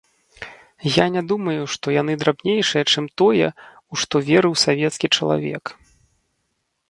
Я не думаю, што яны драбнейшыя, чым тое, у што верыў савецкі чалавек.